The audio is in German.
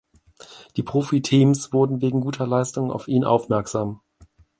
Die Profiteams wurden wegen guter Leistungen auf ihn aufmerksam.